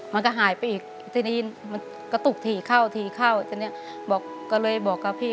มันก็หายไปอีกทีนี้มันกระตุกถี่เข้าถี่เข้าทีนี้บอกก็เลยบอกกับพี่